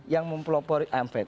yang mempelopori amp